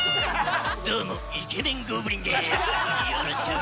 どうもイケメンゴブリンでーすよろしく！